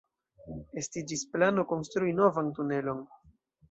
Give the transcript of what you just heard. Estiĝis plano konstrui novan tunelon.